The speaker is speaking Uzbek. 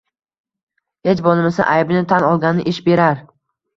Hech bo`lmasa, aybini tan olgani ish berar